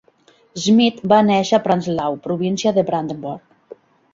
Schmidt va néixer a Prenzlau, província de Brandenburg.